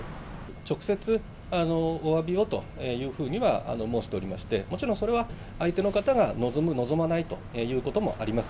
直接、おわびをというふうには申しておりまして、もちろんそれは相手の方が望む、望まないということもあります。